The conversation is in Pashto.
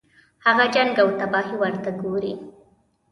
هغه جنګ او تباهي ورته ګوري.